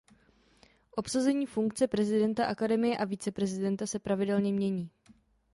Obsazení funkce prezidenta Akademie a viceprezidenta se pravidelně mění.